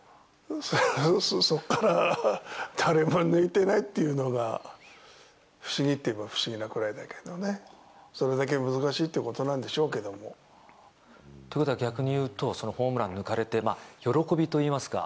そこから誰も抜いてないっていうのが不思議といえば不思議なくらいだけどもね、それだけ難しいっていうことなんでしょうけども。ということは逆に言うと、そのホームラン抜かれて、喜びといいますか。